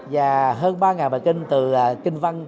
và hơn ba bài kinh từ kinh văn